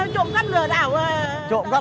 chỗm cắp lừa đảo chỗm cắp lừa đảo